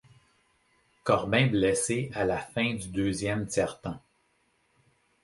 Corbin blessé à la fin du deuxième tiers-temps.